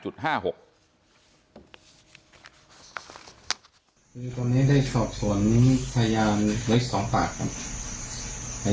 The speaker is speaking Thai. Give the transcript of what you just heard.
ตอนนี้ได้สอบสวนพยาน๑๐๒ภาคครับ